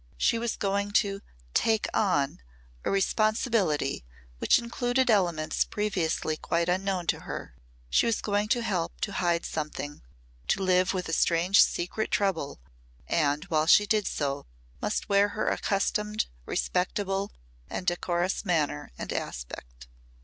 She was going to "take on" a responsibility which included elements previously quite unknown to her. She was going to help to hide something, to live with a strange secret trouble and while she did so must wear her accustomed, respectable and decorous manner and aspect.